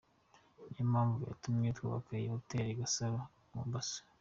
Niyo mpamvu yatumye twubaka iyi Hotel Gasaro i Mombasa”.